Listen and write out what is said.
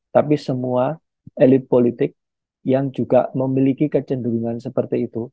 tapi semua elit politik yang juga memiliki kecenderungan seperti itu